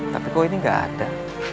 tapi kok ini nggak ada